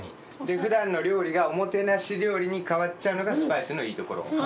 普段の料理がおもてなし料理に変わっちゃうのがスパイスのいいところ。